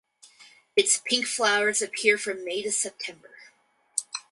Its pink flowers appear from May to September.